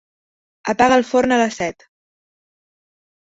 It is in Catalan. Apaga el forn a les set.